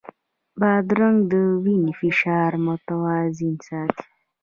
بادرنګ د وینې فشار متوازن ساتي.